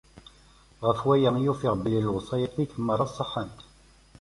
Ɣef waya i ufiɣ belli lewṣayat-ik meṛṛa ṣeḥḥant.